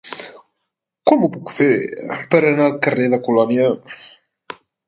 Com ho puc fer per anar al carrer de Colònia?